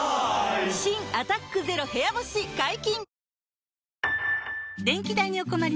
新「アタックＺＥＲＯ部屋干し」解禁‼